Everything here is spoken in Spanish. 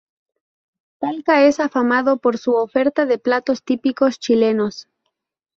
Talca es afamado por su oferta de platos típicos chilenos.